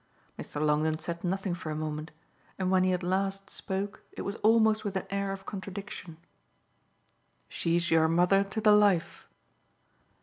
Mr. Longdon said nothing for a moment and when he at last spoke it was almost with an air of contradiction. "She's your mother to the life."